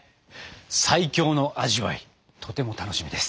最強の味わいとても楽しみです。